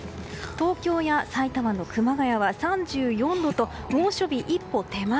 東京や埼玉の熊谷は３４度と猛暑日一歩手前。